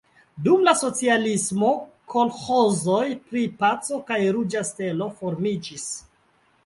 Dum la socialismo kolĥozoj pri Paco kaj Ruĝa Stelo formiĝis.